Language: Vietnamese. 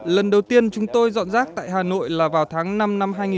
lần đầu tiên chúng tôi dọn rác tại hà nội là vào tháng năm năm hai nghìn một mươi chín